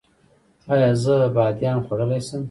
ایا زه بادیان خوړلی شم؟